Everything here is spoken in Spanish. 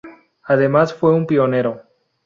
Además fue pionero.